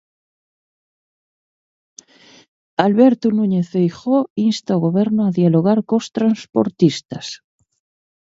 Alberto Núñez Feijóo insta o goberno a dialogar cos transportistas.